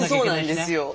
そうなんですよ。